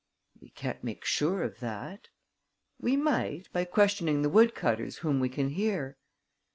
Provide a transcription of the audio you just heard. "We can't make sure of that." "We might, by questioning the woodcutters whom we can hear."